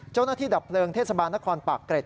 เจ้าหน้าที่ดับเผลิงเทศบาลนครปากเกร็ด